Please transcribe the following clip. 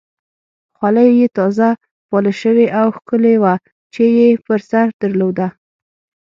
خولۍ یې تازه پالش شوې او ښکلې وه چې یې پر سر درلوده.